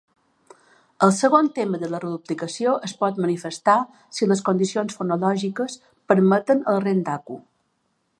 El segon tema de la reduplicació es pot manifestar si les condicions fonològiques permeten el rendaku.